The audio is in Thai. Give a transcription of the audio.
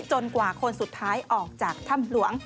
กว่าคนสุดท้ายออกจากถ้ำหลวง